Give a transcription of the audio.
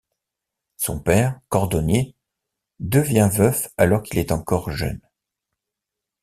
Son père, cordonnier, devient veuf alors qu'il est encore jeune.